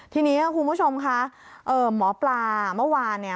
ทีนี้คุณผู้ชมค่ะหมอปลาเมื่อวานเนี่ย